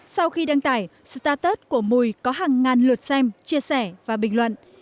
sau khi đăng tải startus của mùi có hàng ngàn lượt xem chia sẻ và bình luận